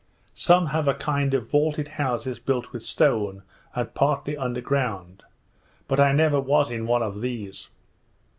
Some have a kind of vaulted houses built with stone, and partly under ground; but I never was in one of these.